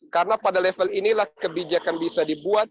karena pada level inilah kebijakan bisa dibuat